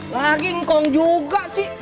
lagi kong juga sih